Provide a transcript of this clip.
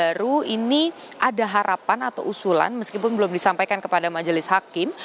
baru ini ada harapan atau usulan meskipun belum disampaikan kepada majelis hakim